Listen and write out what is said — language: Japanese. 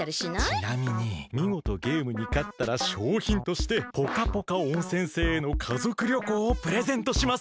ちなみにみごとゲームにかったらしょうひんとしてポカポカ温泉星への家族旅行をプレゼントします。